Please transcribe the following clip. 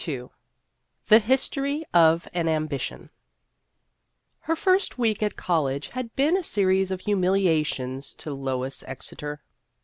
II THE HISTORY OF AN AMBITION HER first week at college had been a series of humiliations to Lois Exeter.